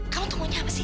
kamu tungguinnya apa sih